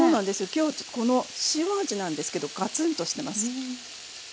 今日はこの塩味なんですけどガツンとしてます。